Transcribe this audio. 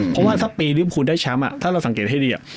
เพราะว่าถ้าปีที่คุณได้แชมป์ถ้าเราสังเกตให้ดี